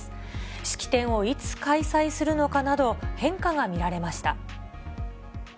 式典をいつ開催するのかなど、変化が見られました。